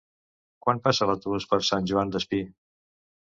Quan passa l'autobús per Sant Joan Despí?